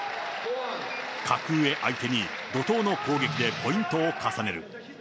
格上相手に、怒とうの攻撃でポイントを重ねる。